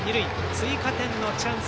追加点のチャンス